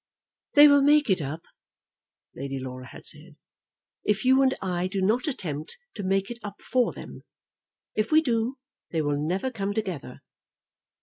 "They will make it up," Lady Laura had said, "if you and I do not attempt to make it up for them. If we do, they will never come together."